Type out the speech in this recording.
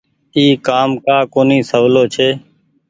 اي ڪآم ڪآ ڪونيٚ سولو ڇي۔